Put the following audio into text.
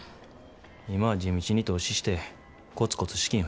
今は地道に投資してコツコツ資金増やしてる。